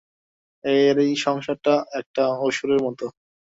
এই সংসারটা একটা অসুরের মত।